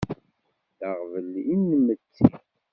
D aɣbel inmetti.